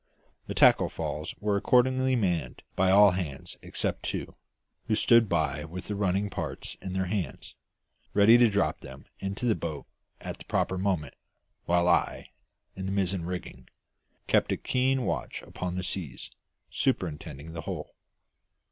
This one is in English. The tackle falls were accordingly manned by all hands except two, who stood by with the running parts in their hands, ready to drop them into the boat at the proper moment, while I, in the mizzen rigging, keeping a keen watch upon the seas, superintended the whole.